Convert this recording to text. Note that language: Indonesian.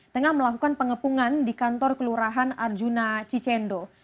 tengah melakukan pengepungan di kantor kelurahan arjuna cicendo